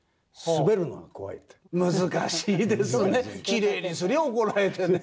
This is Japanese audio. きれいにすりゃあ怒られてね。